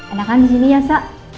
ada kan di sini ya sak